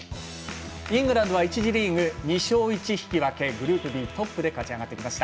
イングランドは１次リーグ２勝１引き分けグループＢトップで勝ち上がってきました。